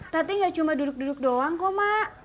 tapi gak cuma duduk duduk doang kok mak